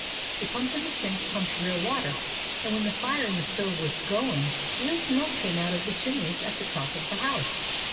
A pump in the sink pumped real water ; and when the fire in the stove was going, real smoke came out of the chimneys at the top of the house.